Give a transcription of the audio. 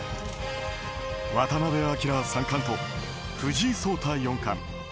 渡辺明三冠と藤井聡太四冠。